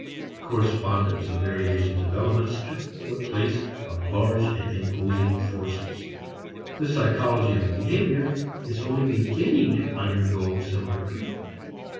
Correspondence of variations of elements took the place of large and imposing forces. The psychology of behavior is only beginning to undergo similar treatment.